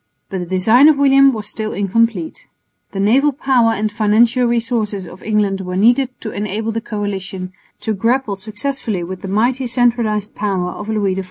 But the design of William was still incomplete. The naval power and financial resources of England were needed to enable the coalition to grapple successfully with the mighty centralised power of Louis XIV.